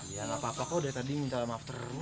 ya nggak apa apa kok dari tadi minta maaf terus